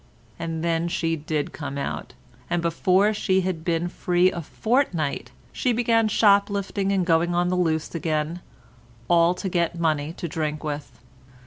And then she did come out, and before she had been free a fortnight, she began shop lifting and going on the loose again—and all to get money to drink with.